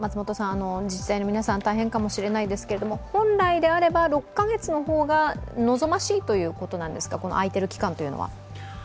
自治体の皆さん大変かもしれないですけど本来であれば６カ月の方が望ましいということなんですか、このあいている期間というのは。